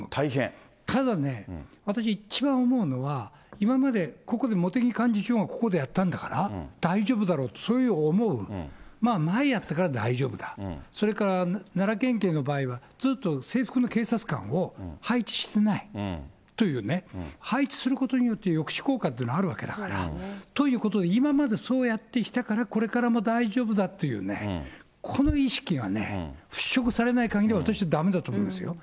ただね、私一番思うのは、今まで、ここで茂木幹事長がここでやったんだから、大丈夫だろうと、そういう思う、前やったから大丈夫だ、それから奈良県警の場合は、ずっと制服の警察官を配置してないというね、配置することによって、抑止効果っていうのがあるわけだから。ということを、今までそうやってきたから、これからも大丈夫だっていうね、この意識がね、払拭されないかぎりは、私はだめだと思いますよ。